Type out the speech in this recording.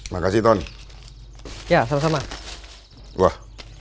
makasih ton ya sama sama wah